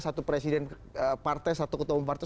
satu presiden partai satu ketua umum partai